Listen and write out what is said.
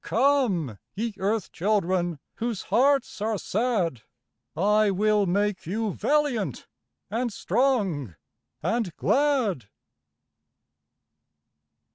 Come, ye earth children, whose hearts are sad, I will make you valiant and strong and glad